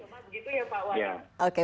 jangan coba coba begitu ya pak wali